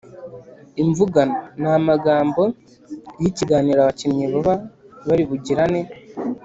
imvugano: ni amagambo y’ikiganiro abakinnyi baba bari bugirane.